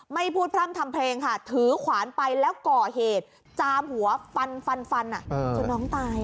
ไม่พูดพรั่งทำเพลงถือขวานไปแล้วก่อเหตุจามหัวฟันจนน้องตาย